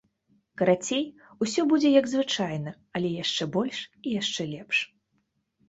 Карацей, усё будзе як звычайна, але яшчэ больш і яшчэ лепш.